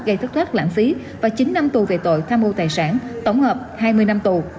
gây thất thoát lãng phí và chín năm tù về tội tham mô tài sản tổng hợp hai mươi năm tù